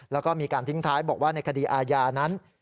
แล้วก็มีการทิ้งท้ายบอกว่าในคดีอาญานั้น